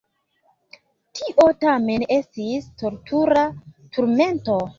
Tio tamen estis tortura turmento.